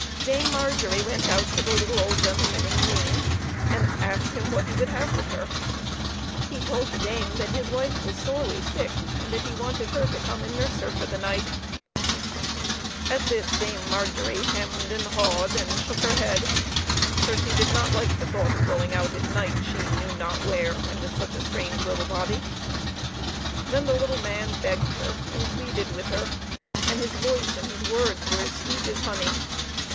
Dame Margery went out to the little old gentleman in green, and asked him what he would have with her. He told the dame that his wife was sorely sick, and that he wanted her to come and nurse her for the night. At this Dame Margery hemmed and hawed and shook her head, for she did not like the thought of going out at night, she knew not where, and with such a strange little body. Then the little man begged her and pleaded with her, and his voice and his words were as sweet as honey.